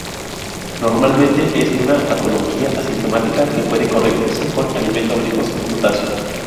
Normalmente, es una patología asintomática que puede corregirse con alimentos ricos en potasio.